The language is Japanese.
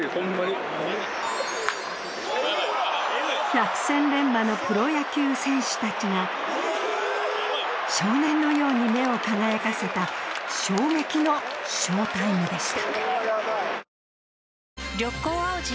百戦錬磨のプロ野球選手たちが少年のように目を輝かせた衝撃の「ショータイム」でした。